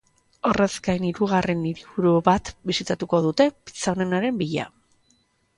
Horrez gain hirugarren hiriburu bat bisitatuko dute pizza onenaren bila.